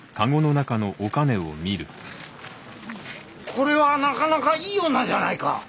これはなかなかいい女じゃないか。